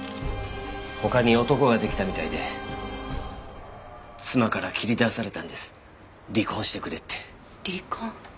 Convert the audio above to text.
他に男が出来たみたいで妻から切り出されたんです離婚してくれって。離婚。